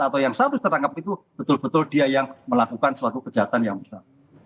atau yang satu yang terangkap itu betul betul dia yang melakukan suatu kejahatan yang benar